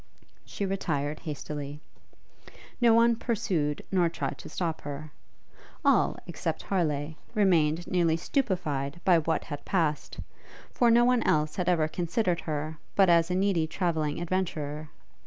She retired hastily. No one pursued nor tried to stop her. All, except Harleigh, remained nearly stupified by what had passed, for no one else had ever considered her but as a needy travelling adventurer.